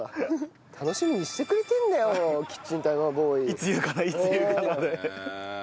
いつ言うかないつ言うかなで。